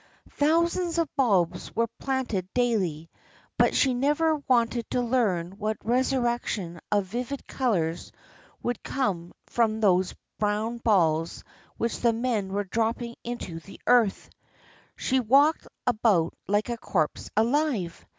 Thousands of bulbs were being planted daily, but she never wanted to learn what resurrection of vivid colour would come from those brown balls which the men were dropping into the earth. She walked about like a corpse alive!